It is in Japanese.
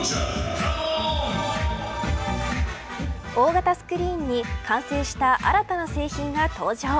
大型スクリーンに、完成した新たな製品が登場。